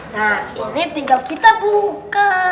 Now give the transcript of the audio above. nah ini tinggal kita buka